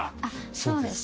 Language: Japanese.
そうです。